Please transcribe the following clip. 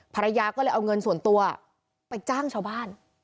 ภรรยาก็เลยเอาเงินส่วนตัวไปจ้างชาวบ้าน